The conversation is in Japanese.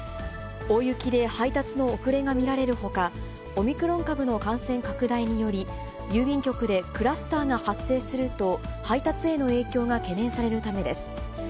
大雪で配達の遅れが見られるほか、オミクロン株の感染拡大により、郵便局でクラスターが発生すると、配達への影響が懸念されるためです。